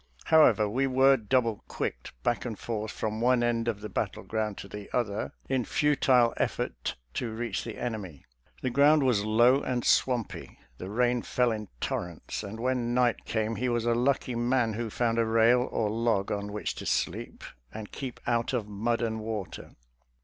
However, we were double quicked back and forth from one end of the battleground to the other, in futile effort to reach the enemy. The ground was low and 44 BATTLE OF SEVEN PINES 45 swampy, the rain fell in torrents, and when night came he was a lucky man who found a rail or log on which to sleep and keep out of mud and water.